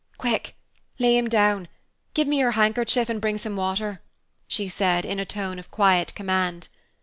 "Quick! Lay him down. Give me your handkerchief, and bring some water," she said, in a tone of quiet command.